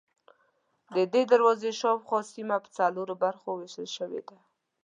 ددې دروازې شاوخوا سیمه په څلورو برخو وېشل شوې ده.